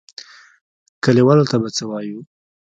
کليوالو ته به څه وايو؟